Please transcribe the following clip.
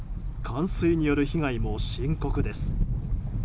冠水による被害も深刻です。